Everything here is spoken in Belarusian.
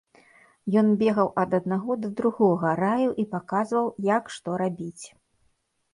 Ён бегаў ад аднаго да другога, раіў і паказваў, як што рабіць.